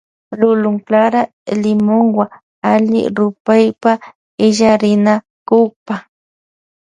Lulun clara limonwa alli rupaywan illarinakukpa.